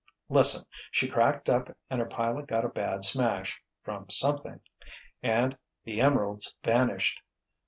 Listen—she cracked up and her pilot got a bad smash—from something! And—the emeralds vanished!"